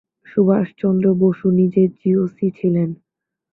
সুভাষচন্দ্র বসু নিজে জিওসি ছিলেন।